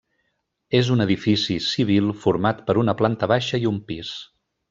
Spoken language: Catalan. És un edifici civil format per una planta baixa i un pis.